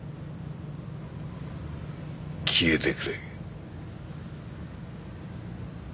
消えてくれ。